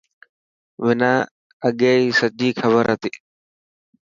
منان اگي هي سڄي کبر هتي.